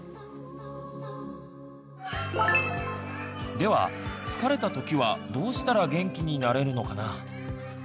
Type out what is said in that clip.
では疲れた時はどうしたら元気になれるのかな？